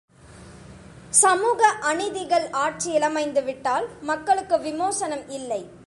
சமூக அநீதிகள் ஆட்சியிலமைந்து விட்டால் மக்களுக்கு விமோசனம் இல்லை.